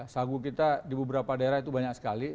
sagu kita di beberapa daerah itu banyak sekali